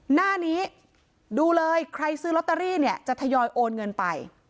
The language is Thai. หน้านี้ดูเลยใครซื้อลอตเตอรี่เนี่ยจะทยอยโอนเงินไป